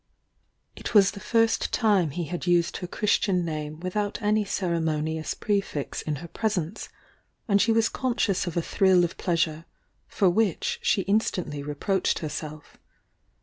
,,„■•..• It was the first time he had used her Chnstian name without any ceremonious prefix in her pres ence, and she was conscious of a thrill of pleasure, for which she instantly reproached herself.